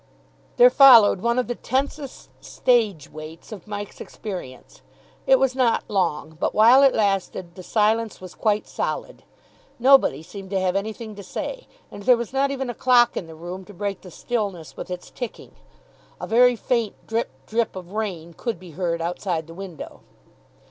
There followed one of the tensest "stage waits" of Mike's experience. It was not long, but, while it lasted, the silence was quite solid. Nobody seemed to have anything to say, and there was not even a clock in the room to break the stillness with its ticking. A very faint drip drip of rain could be heard outside the window.